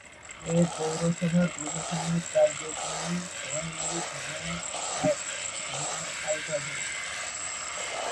এ পৌরসভার প্রশাসনিক কার্যক্রম সোনাইমুড়ি থানার আওতাধীন।